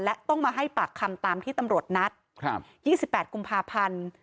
และต้องมาให้ปากคำตามที่ตำรวจนัด๒๘กุมภาพันธ์